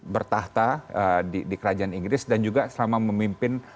bertahta di kerajaan inggris dan juga selama memimpin